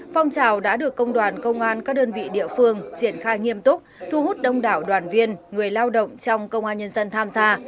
phong trào đã được công đoàn công an các đơn vị địa phương triển khai nghiêm túc thu hút đông đảo đoàn viên người lao động trong công an nhân dân tham gia